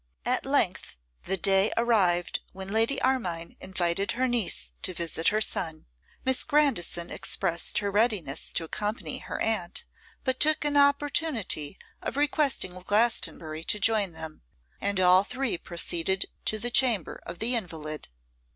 At length the day arrived when Lady Armine invited her niece to visit her son. Miss Grandison expressed her readiness to accompany her aunt, but took an opportunity of requesting Glastonbury to join them; and all three proceeded to the chamber of the invalid.